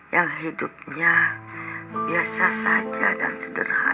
yang hidupnya biasa saja dan sederhana